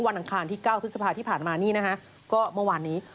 อังคารที่๙พฤษภาที่ผ่านมานี่นะฮะก็เมื่อวานนี้